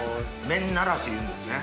麺慣らしいうんですね。